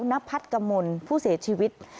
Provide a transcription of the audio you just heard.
นพัฒน์กมลผู้เสียชีวิต